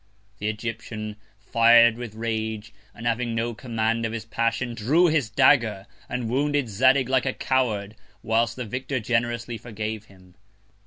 The Egyptian, fir'd with Rage, and having no Command of his Passion, drew his Dagger, and wounded Zadig like a Coward, whilst the Victor generously forgave him.